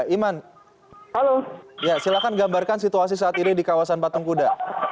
iman halo silakan gambarkan situasi saat ini di kawasan patung kuda